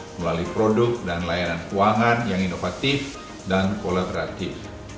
melalui produk dan layanan keuangan yang inovatif dan kolaboratif